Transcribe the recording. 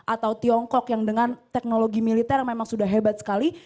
atau tiongkok yang dengan teknologi militer memang sudah hebat sekali